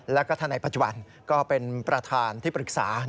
แล้วก็ท่านในปัจจุบันก็เป็นประธานที่ปรึกษา